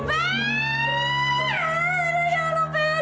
dimana sih ya